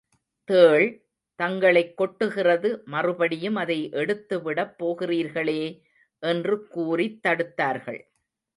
தேள், தங்களைக் கொட்டுகிறது மறுபடியும் அதை எடுத்துவிடப் போகிறீர்களே! என்று கூறித் தடுத்தார்கள்.